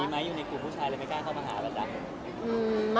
มีมัยอยู่ในกลุ่มผู้ชายแต่ก็ไม่กลัวเข้ามาเฒาะหวัดหรับ